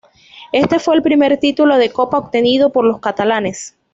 Este fue el primer título de Copa obtenido por los catalanes.